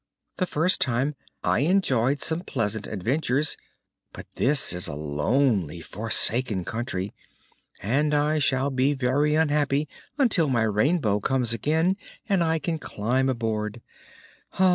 The first time I enjoyed some pleasant adventures, but this is a lonely, forsaken country and I shall be very unhappy until my Rainbow comes again and I can climb aboard.